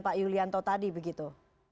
pak yulianto tadi begitu